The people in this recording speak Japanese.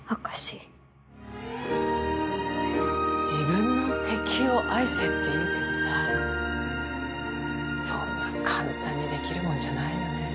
自分の敵を愛せって言うけどさあそんな簡単にできるもんじゃないよね。